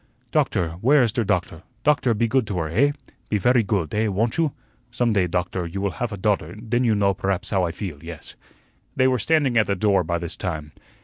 "Doktor where is der doktor Doktor, pe goot to her, eh? pe vairy goot, eh, won't you? Zum day, Dokter, you vill haf a daughter, den you know berhaps how I feel, yes." They were standing at the door by this time.